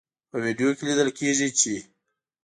په ویډیو کې لیدل کیږي چې